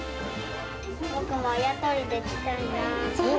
僕もあや取りできたいな。